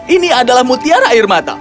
ini adalah mutiara air mata